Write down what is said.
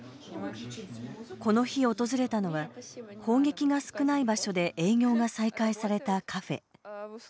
この日、訪れたのは砲撃が少ない場所で営業が再開されたカフェ。